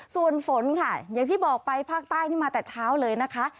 ส่วนฝนค่ะอย่างที่บอกไปภาคใต้นี่มาแต่เช้าเลยนะคะ